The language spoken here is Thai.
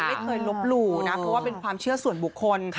ไม่เคยลบหลู่นะเพราะว่าเป็นความเชื่อส่วนบุคคล